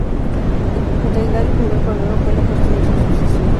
En realidad, el primer problema fue la cuestión de su sucesión.